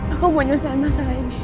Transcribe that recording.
aku mau nyelesain masalah ini